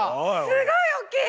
すごい大きい！